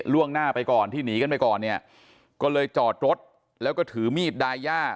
ล่วงหน้าไปก่อนที่หนีกันไปก่อนเนี่ยก็เลยจอดรถแล้วก็ถือมีดดายย่า